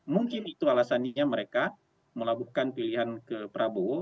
mungkin itu alasaninya mereka melakukan pilihan ke prabowo